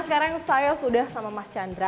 sekarang saya sudah sama mas chandra